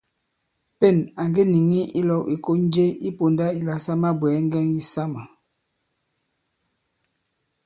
Pên à ŋge nìŋi ilɔ̄w ìkon je i pōndā ìla sa mabwɛ̀ɛ ŋgɛŋ yisamà.